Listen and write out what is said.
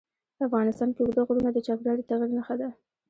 افغانستان کې اوږده غرونه د چاپېریال د تغیر نښه ده.